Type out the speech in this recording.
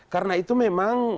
karena itu memang